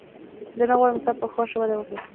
زه نه غواړم ستا په خوښه واده وکړم